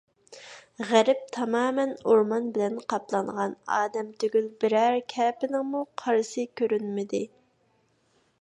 غەرب تامامەن ئورمان بىلەن قاپلانغان، ئادەم تۈگۈل، بىرەر كەپىنىڭمۇ قارىسى كۆرۈنمىدى.